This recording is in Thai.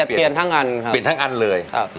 เปลี่ยนทั้งอันครับเปลี่ยนทั้งอันเลยครับ